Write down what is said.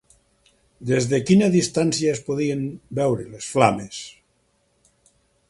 Des de quina distància es podien veure les flames?